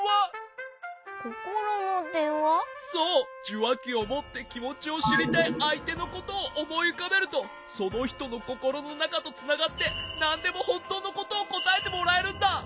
じゅわきをもってきもちをしりたいあいてのことをおもいうかべるとそのひとのココロのなかとつながってなんでもほんとうのことをこたえてもらえるんだ。